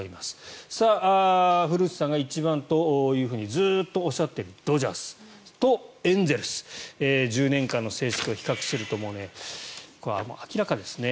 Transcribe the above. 古内さんが一番というふうにずっとおっしゃっているドジャースと、エンゼルス１０年間の成績を比較するともう明らかですね。